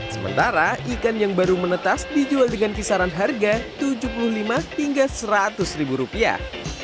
sementara ikan yang baru menetas dijual dengan kisaran harga tujuh puluh lima hingga seratus ribu rupiah